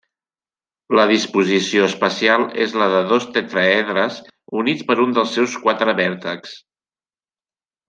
La disposició espacial és la de dos tetraedres units per un dels seus quatre vèrtexs.